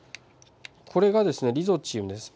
これがですねリゾチームです。